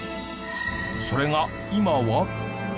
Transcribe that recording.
それが今は。